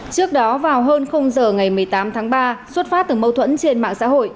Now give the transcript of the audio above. trước đó vào hơn giờ ngày một mươi tám tháng ba xuất phát từ mâu thuẫn trên mạng xã hội